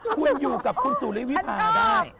คุณอยู่กับคุณสุริวิพาได้